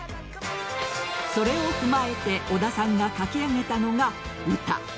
それを踏まえて尾田さんが描き上げたのがウタ。